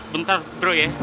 bentar bro ya